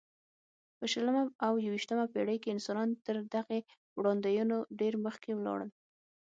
په شلمه او یویشتمه پېړۍ کې انسانان تر دغې وړاندوینو ډېر مخکې ولاړل.